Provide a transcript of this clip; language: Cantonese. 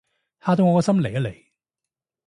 嚇到我個心離一離